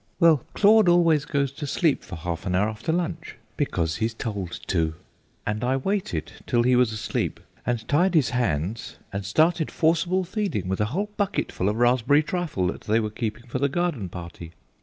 Well, Claude always goes to sleep for half an hour after lunch, because he's told to, and I waited till he was asleep, and tied his hands and started forcible feeding with a whole bucketful of raspberry trifle that they were keeping for the garden party.